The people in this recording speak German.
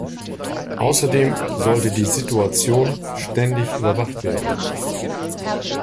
Außerdem sollte die Situation ständig überwacht werden.